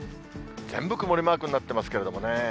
全部曇りマークになってますけれどもね。